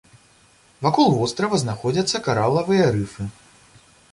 Вакол вострава знаходзяцца каралавыя рыфы.